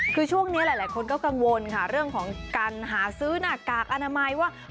คือช่วงนี้หลายคนก็กังวลค่ะเรื่องของการหาซื้อหน้ากากอนามัยว่า